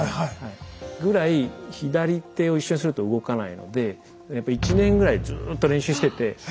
ぐらい左手を一緒にすると動かないのでやっぱ１年ぐらいずーっと練習してて。